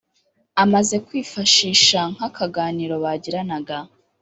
amaze kwifashisha nk’akaganiro bagiranaga